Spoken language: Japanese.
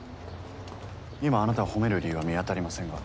今あなたを褒める理由は見当たりませんが。